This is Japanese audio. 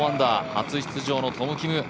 初出場のトム・キム。